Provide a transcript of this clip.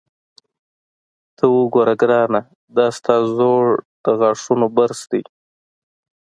ته وګوره ګرانه، دا ستا زوړ د غاښونو برس دی.